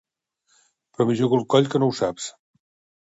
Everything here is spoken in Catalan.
Però m'hi jugo el coll que no ho saps.